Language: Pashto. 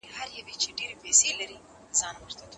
په کوم کور کي چي تصوير وي هلته څوک نه داخلېږي؟